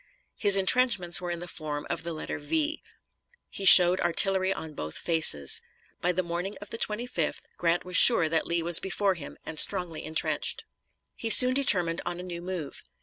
His intrenchments were in the form of the letter V. He showed artillery on both faces. By the morning of the 25th Grant was sure that Lee was before him and strongly intrenched. He soon determined on a new move.